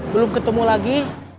belum ketemu lagi